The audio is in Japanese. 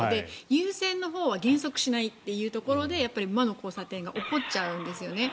優先のほうは減速しないというところで魔の交差点が起こっちゃうんですよね。